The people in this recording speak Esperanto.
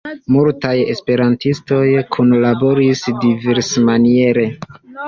Multaj esperantistoj kunlaboris diversmaniere.